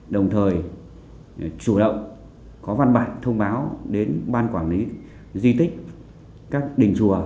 đồng thời chủ động có văn bản thông báo đến ban quản lý di tích các đình chùa